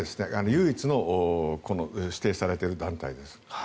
唯一の指定されている団体です。